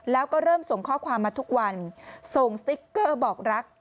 แล้วก็เริ่มส่งข้อความมาทุกวันส่งสติ๊กเกอร์บอกรัก